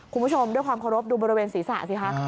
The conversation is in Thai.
คุณผู้ชมด้วยความเคารพดูบริเวณศีรษะสิคะ